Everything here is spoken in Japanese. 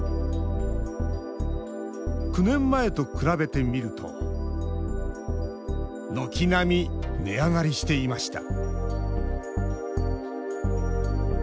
９年前と比べてみると軒並み値上がりしていました